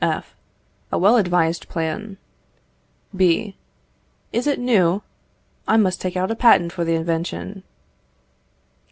F. A well advised plan. B. Is it new? I must take out a patent for the invention.